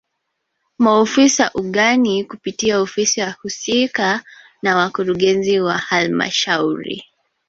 Maofisa ugani kupitia ofisi husika na wakurugenzi wa halmashauri